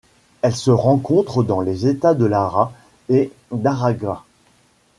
Elle se rencontre dans les États de Lara et d'Aragua.